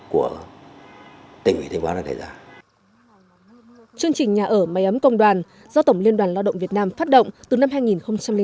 chương trình nhà ở máy ấm công đoàn do tổng liên đoàn lao động việt nam phát động từ năm hai nghìn chín